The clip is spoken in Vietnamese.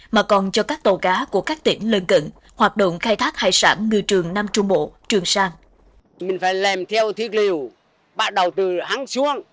mà còn cho các tàu cá của các tỉnh lân cận hoạt động khai thác hải sản ngư trường nam trung bộ trường sang